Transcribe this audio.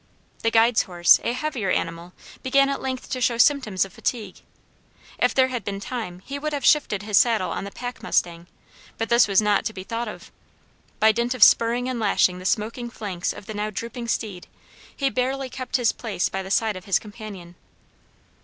The guide's horse, a heavier animal, began at length to show symptoms of fatigue. If there had been time, he would have shifted his saddle on the pack mustang, but this was not to be thought of. By dint of spurring and lashing the smoking flanks of the now drooping steed, he barely kept his place by the side of his companion.